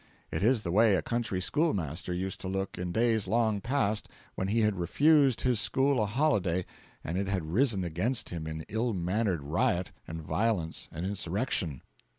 It is the way a country schoolmaster used to look in days long past when he had refused his school a holiday and it had risen against him in ill mannered riot and violence and insurrection.